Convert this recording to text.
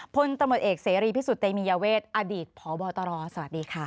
พลตำรวจเอกเสรีพิสุทธิเตมียเวทอดีตพบตรสวัสดีค่ะ